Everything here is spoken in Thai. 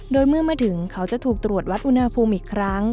โดยเมื่อมาถึงเขาจะถูกตรวจวัดอุณหภูมิอีกครั้ง